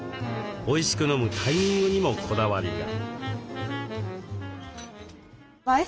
おいしく飲むタイミングにもこだわりが。